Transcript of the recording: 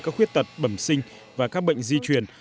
các khuyết tật bẩm sinh và các bệnh di truyền